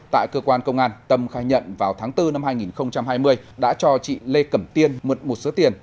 tại cơ quan công an tâm khai nhận vào tháng bốn năm hai nghìn hai mươi đã cho chị lê cẩm tiên mượn một số tiền